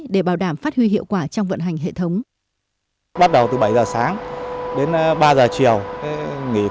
để bảo đảm hệ thống phun xương